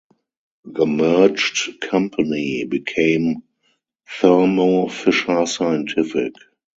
The merged company became Thermo Fisher Scientific.